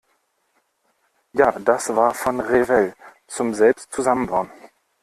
Ja, das war von Revell, zum selbst zusammenbauen.